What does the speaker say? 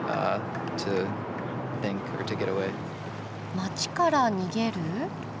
街から逃げる？